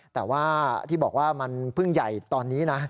แต่ว่าที่บอกว่ามันเพิ่งใหญ่ตอนนี้นะ